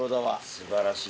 すばらしい。